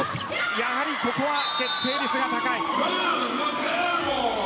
やはりここは決定率が高い。